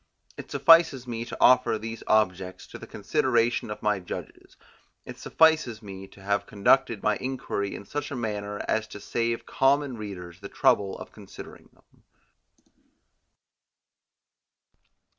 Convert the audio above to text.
It suffices me to offer these objects to the consideration of my judges; it suffices me to have conducted my inquiry in such a manner as to save common readers the trouble of considering them.